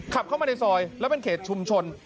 ขับเข้ามาในซอยแล้วเป็นเขตชุมชน